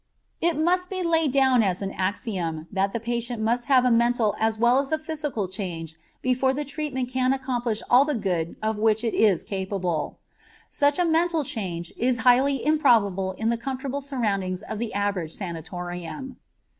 It must be laid down as an axiom that the patient must have a mental as well as a physical change before the treatment can accomplish all the good of which it is capable. Such a mental change is highly improbable in the comfortable surroundings of the average sanatorium.